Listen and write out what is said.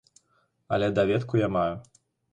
Але даведку я маю.